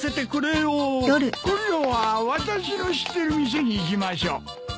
今度は私の知ってる店に行きましょう。